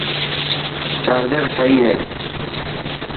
چارجر سئي هي.